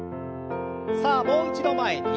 さあもう一度前に。